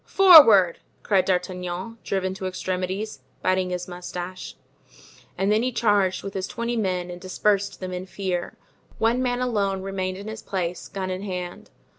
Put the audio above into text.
"Forward!" cried D'Artagnan, driven to extremities, biting his moustache; and then he charged with his twenty men and dispersed them in fear. One man alone remained in his place, gun in hand.